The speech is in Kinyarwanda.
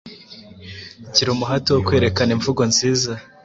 Gira umuhate wo kwerekana imvugo nziza